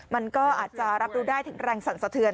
มันก็อาจจะรับรู้ได้ถึงแรงสั่นสะเทือน